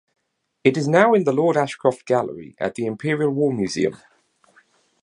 It is now in the Lord Ashcroft Gallery at the Imperial War Museum.